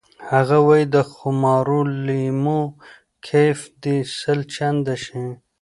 هغه وایی د خمارو لیمو کیف دې سل چنده شي